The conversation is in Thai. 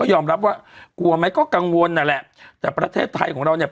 ยอมรับว่ากลัวไหมก็กังวลนั่นแหละแต่ประเทศไทยของเราเนี่ย